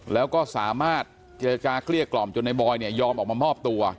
แล้วก็สามารถเจรจาเกลี้ยกล่อมจนในบอยเนี่ยยอมออกมามอบตัว